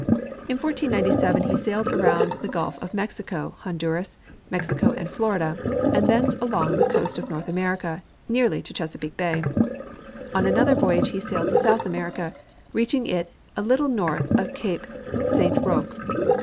In 1497 he sailed around the gulf" of Mexico, Honduras, Mexico and Florida, and thence along the coast of North America nearly to Chesapeake bay. On another voyage he sailed to South America, reaching it a little north of cape Saint Roque.